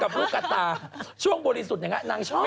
ลูกกระตาช่วงบริสุทธิ์อย่างนั้นนางชอบ